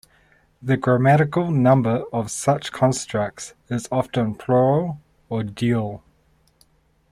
The grammatical number of such constructs is often plural or dual.